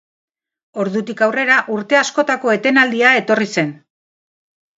Ordutik aurrera urte askotako etenaldia etorri zen.